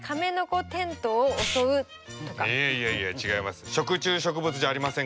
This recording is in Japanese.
いやいや違います。